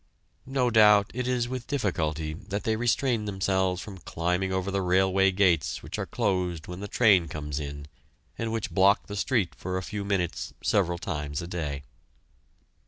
No doubt it is with difficulty that they restrain themselves from climbing over the railway gates which are closed when the train comes in and which block the street for a few minutes several times a day.